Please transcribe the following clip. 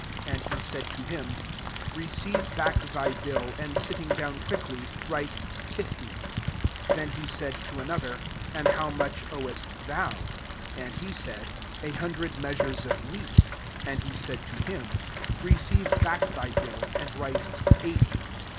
And he said to him, 'Receive Aack thy bill, and sit ting down quickly, write fifty.* 7 Then he said to another, 'And how much owest thou ?' And he said, < A hundred mt^asures of wheat.' And he said to him, * Receive ^cirthy bill, and write eighty.'